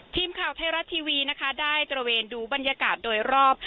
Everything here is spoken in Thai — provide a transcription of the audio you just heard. ทีมข่าวไทยรัฐทีวีนะคะได้ตระเวนดูบรรยากาศโดยรอบ